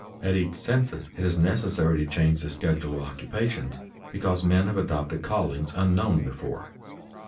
At each census it is necessary to change the schedule of occupations, because men have adopted callings unknown before.